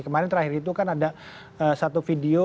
kemarin terakhir itu kan ada satu video